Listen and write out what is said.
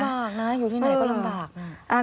ยากนะอยู่ที่ไหนก็ลำบากนะ